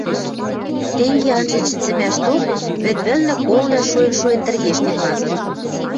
Тенге анжен шӹнзӹмӓшток вӹд вӹлнӹ колвлӓ шоэн-шоэн тӹргештен вазыт.